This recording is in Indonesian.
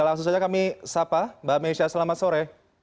langsung saja kami sapa mbak mesya selamat sore